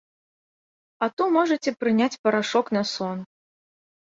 А то можаце прыняць парашок на сон.